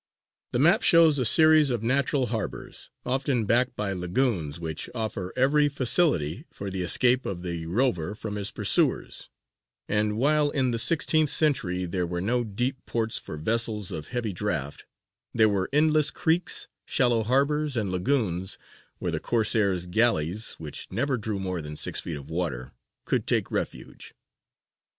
The map shows a series of natural harbours, often backed by lagunes which offer every facility for the escape of the rover from his pursuers; and while in the sixteenth century there were no deep ports for vessels of heavy draught, there were endless creeks, shallow harbours, and lagunes where the Corsairs' galleys (which never drew more than six feet of water) could take refuge.